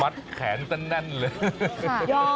แขนตั้งแน่นเลย